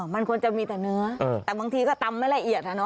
มันควรจะมีแต่เนื้อแต่บางทีก็ตำไม่ละเอียด